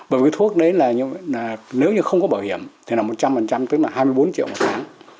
bởi vì cái thuốc đấy là nếu như không có bảo hiểm thì là một trăm linh tức là hai mươi bốn triệu một tháng